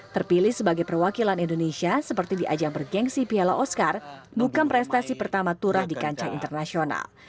terpilih sebagai perwakilan indonesia seperti di ajang bergensi piala oscar bukan prestasi pertama turah di kancah internasional